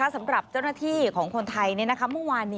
สำหรับนักท่องเที่ยว